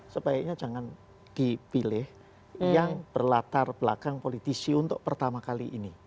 sebaiknya jangan dipilih yang berlatar belakang politisi untuk pertama kali ini